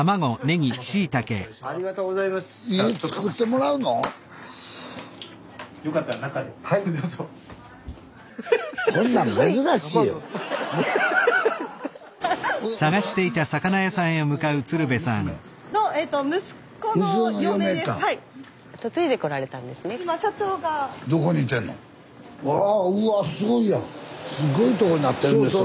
スタジオすごいとこになってるんですよ